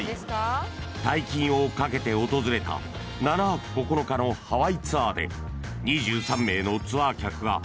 ［大金をかけて訪れた７泊９日のハワイツアーで］